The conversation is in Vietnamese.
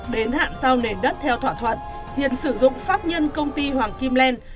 đến hạn giao nền đất theo thỏa thuận hiển sử dụng pháp nhân công ty hoàng kim len